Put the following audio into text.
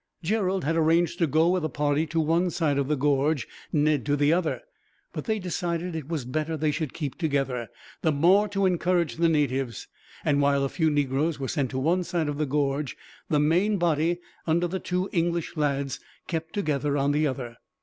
Gerald had arranged to go with a party to one side of the gorge, Ned to the other; but they decided that it was better that they should keep together, the more to encourage the natives; and while a few negroes were sent to one side of the gorge, the main body, under the two English lads, kept together on the other.